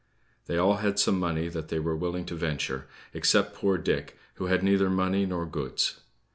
They all had some money that they were willing to venture, except poor Dick, who had neither money nor goods.